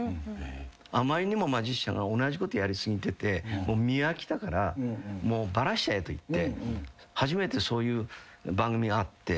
あまりにもマジシャンが同じことやり過ぎてて見飽きたからもうばらしちゃえといって初めてそういう番組があって。